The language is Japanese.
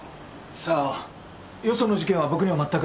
さあよその事件は僕には全く。